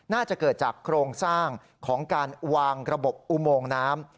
น่าจะเกิดจากโครงสร้างของการวางระบบอุโมงน้ำ